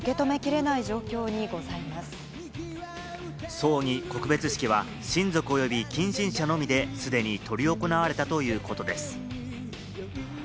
葬儀・告別式は親族および近親者のみで既に執り行われたということです。